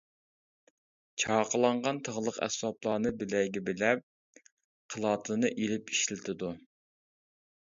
چاقلانغان تىغلىق ئەسۋابلارنى بىلەيگە بىلەپ، قىلاتىنى ئېلىپ ئىشلىتىدۇ.